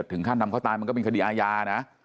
ถึงขั้นนำเขาตายมันก็เป็นคดีอาญานะ